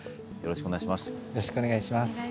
よろしくお願いします。